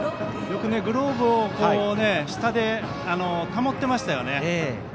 よくグローブを下で保っていましたね。